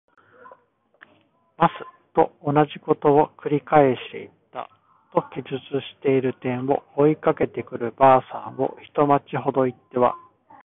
ます。」とおなじことを「くり返していた。」と記述している点を、追いかけてくる婆さんを一町ほど行っては